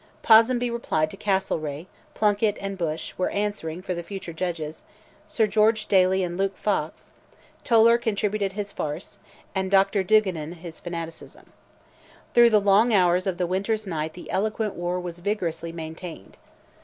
Ponsonby replied to Castlereagh; Plunkett and Bushe were answered by the future judges, St. George Daly and Luke Fox; Toler contributed his farce, and Dr. Duigenan his fanaticism. Through the long hours of the winter's night the eloquent war was vigorously maintained.